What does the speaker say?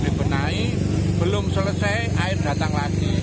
nah ini belum selesai air datang lagi